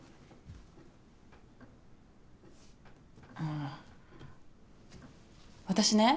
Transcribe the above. あ私ね